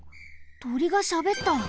とりがしゃべった。